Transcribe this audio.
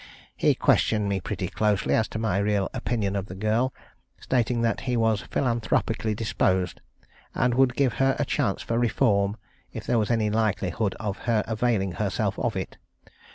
He questioned me pretty closely as to my real opinion of the girl, stating that he was philanthropically disposed, and would give her a chance for reform, if there was any likelihood of her availing herself of it.